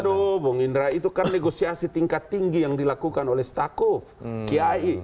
waduh bong indra itu kan negosiasi tingkat tinggi yang dilakukan oleh staquf qiai